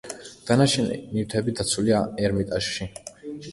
დანარჩენი ნივთები დაცულია ერმიტაჟში.